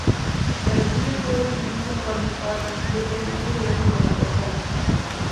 El estudio puede dividirse en cuatro partes, dependiendo de las interpretaciones.